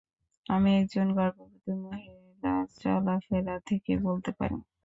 আমি একজন গর্ভবতী মহিলার চলাফেরা থেকে বলতে পারি।